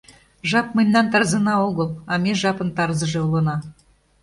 Жап мемнан тарзына огыл, а ме жапын тарзыже улына.